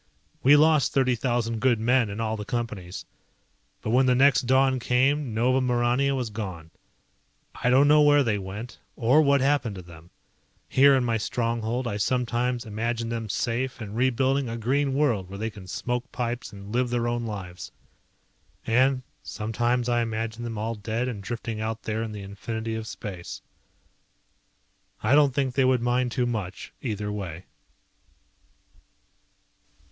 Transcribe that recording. We lost thirty thousand good men in all the Companies. But when the next dawn came Nova Maurania was gone. I don't know where they went, or what happened to them. Here in my stronghold I sometimes imagine them safe and rebuilding a green world where they can smoke pipes and live their own lives. And sometimes I imagine them all dead and drifting out there in the infinity of space. I don't think they would mind too much, either way.